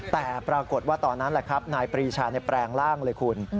แต่ปรากฏว่าตอนนั้นแหละครับนายปรีชาแปลงร่างเลยคุณ